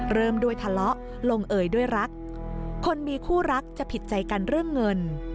เริ่มด้วยทะเลาะลงเอยด้วยรักคนมีคู่รักจะผิดใจกันเรื่องเงิน